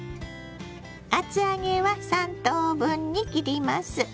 厚揚げは３等分に切ります。